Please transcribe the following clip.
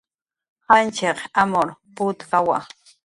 Janchiq amur putkawa